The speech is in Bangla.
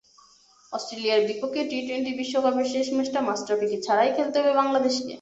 অস্ট্রেলিয়ার বিপক্ষে টি-টোয়েন্টি বিশ্বকাপের শেষ ম্যাচটা মাশরাফিকে ছাড়াই খেলতে হবে বাংলাদেশকে।